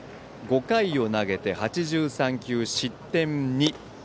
５回を投げて８３球、失点２。